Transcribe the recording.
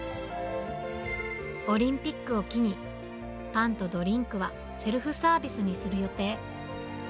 オリンピックを機に、パンとドリンクはセルフサービスにする予定。